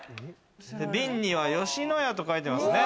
瓶には「吉野家」と書いてますね。